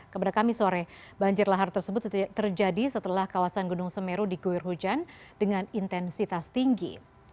kepada kami sore banjir lahar tersebut terjadi setelah kawasan gunung semeru diguyur hujan dengan intensitas tinggi